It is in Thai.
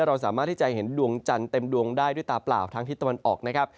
เราสามารถที่จะเห็นดวงจันทร์เต็มดวงได้ด้วยตาเปล่าทางทิศตะวันออกนะครับ